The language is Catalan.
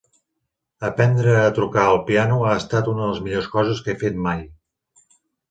Aprendre a tocar el piano ha estat una de les millors coses que he fet mai